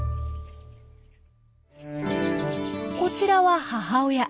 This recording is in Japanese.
こちらは母親。